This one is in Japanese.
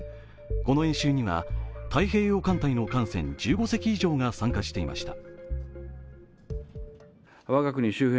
この演習には太平洋艦隊の艦船１５隻以上が参加していました。